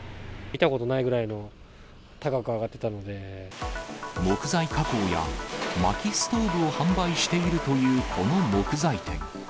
見たことないくらいの高く上木材加工や、まきストーブを販売しているというこの木材店。